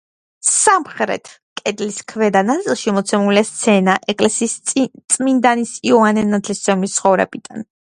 სამხრეთ კედლის ქვედა ნაწილში მოცემულია სცენა ეკლესიის წმინდანის იოანე ნათლისმცემლის ცხოვრებიდან.